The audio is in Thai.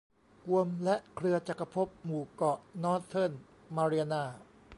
กวมและเครือจักรภพหมู่เกาะนอร์ธเทิร์นมาเรียนา